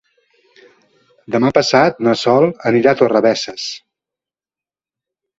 Demà passat na Sol anirà a Torrebesses.